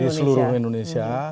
di seluruh indonesia